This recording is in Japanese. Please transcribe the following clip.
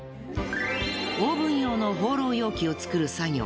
オーブン用のホーロー容器を作る作業。